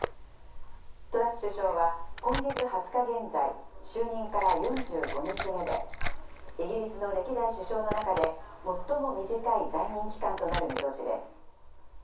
トラス首相は今月２０日現在、就任から４５日目で、イギリスの歴代首相の中で最も短い在任期間となる見通しです。